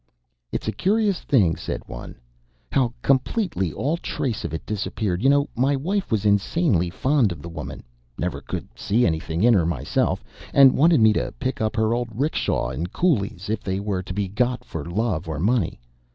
"It's a curious thing," said one, "how completely all trace of it disappeared. You know my wife was insanely fond of the woman ['never could see anything in her myself), and wanted me to pick up her old 'rickshaw and coolies if they were to be got for love or money.